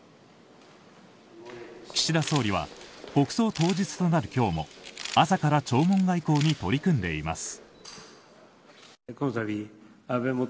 岸田総理は国葬当日となる今日も朝から弔問外交に取り組んでいます。